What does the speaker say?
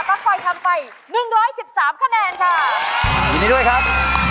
ไฟทำไปหนึ่งร้อยสิบสามคะแนนค่ะยินดีด้วยครับ